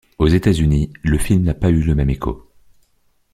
Aux États-Unis, le film n'a pas eu le même écho.